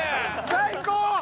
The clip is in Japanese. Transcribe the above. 最高！